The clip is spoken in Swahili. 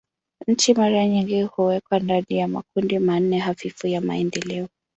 Nchi mara nyingi huwekwa ndani ya makundi manne hafifu ya maendeleo.